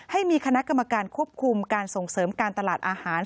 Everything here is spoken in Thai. ให้มีคณะกรรมการควบคุมการส่งเสริมการตลาดอาหาร